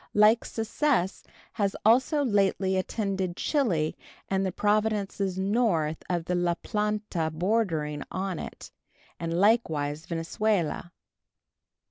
Like success has also lately attended Chili and the Provinces north of the La Plata bordering on it, and likewise Venezuela.